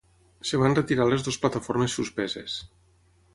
Es van retirar les dues plataformes suspeses.